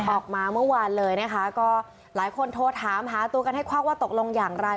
ออกมาเมื่อวานเลยนะคะก็หลายคนโทรถามหาตัวกันให้ควักว่าตกลงอย่างไร